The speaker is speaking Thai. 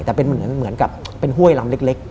แต่เป็นเหมือนกับเป็นห้วยลำเล็ก